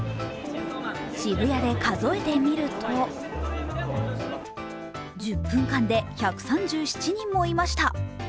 渋谷で数えてみると１０分間で１３７人もいました。